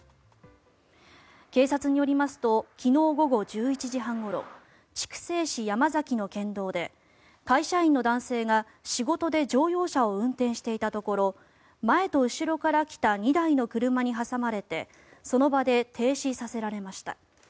警察によりますと昨日午後１１時半ごろ筑西市山崎の県道で会社員の男性が仕事で乗用車を運転していたところ前と後ろから来た２台の車に挟まれてその場で停止させられました。